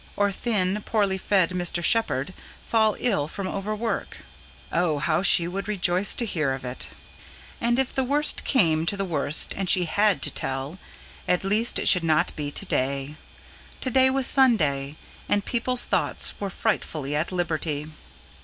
Or thin, poorly fed Mr. Shepherd fall ill from overwork. Oh, how she would rejoice to hear of it! And, if the worst came to the worst and she HAD to tell, at least it should not be to day. To day was Sunday; and people's thoughts were frightfully at liberty.